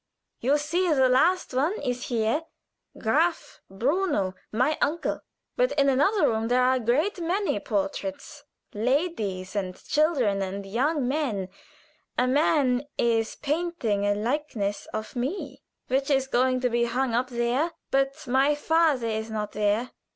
You see the last one is here Graf Bruno my uncle. But in another room there are a great many more portraits, ladies and children and young men, and a man is painting a likeness of me, which is going to be hung up there; but my father is not there.